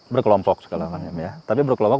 berkelompok sekaligus ya tapi berkelompok